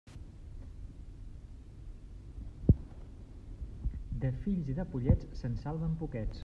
De fills i de pollets, se'n salven poquets.